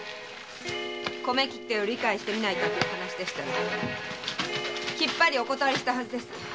米切手の売り買いをしてみないかというお話でしたらきっぱりお断りしたはずです。